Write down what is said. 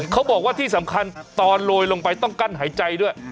เขาบอกว่าที่สำคัญตอนโรยลงไปต้องกั้นหายใจด้วย